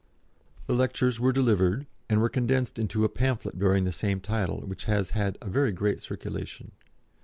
The lectures were delivered, and were condensed into a pamphlet bearing the same title, which has had a very great circulation.